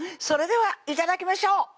それでは頂きましょう！